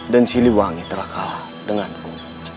dan si liwangi telah kalah denganku